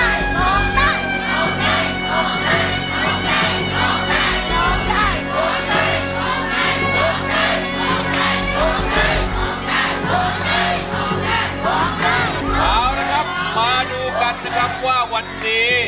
เอาละครับมาดูกันนะครับว่าวันนี้